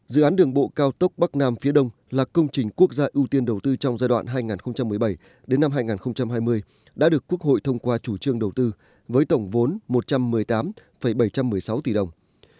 dự án đường bộ cao tốc bắc nam phía đông là công trình quốc gia ưu tiên đầu tư trong giai đoạn hai nghìn một mươi bảy hai nghìn hai mươi đã được quốc hội thông qua chủ trương đầu tư với tổng vốn một trăm một mươi tám bảy trăm một mươi sáu tỷ đồng